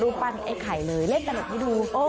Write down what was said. รูปปั้นไอ้ไข่เลยเล่นสนุกที่ดู